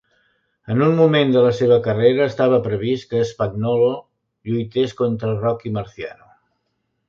En un moment de la seva carrera estava previst que Spagnolo lluités contra Rocky Marciano.